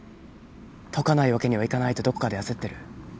解かないわけにはいかないとどこかで焦ってる。